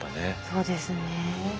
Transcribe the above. そうですね。